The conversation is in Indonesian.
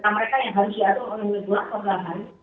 mereka yang harus diatur oleh wd dua atau gahari